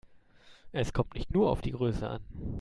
Es kommt nicht nur auf die Größe an.